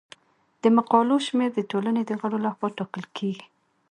د مقالو شمیر د ټولنې د غړو لخوا ټاکل کیږي.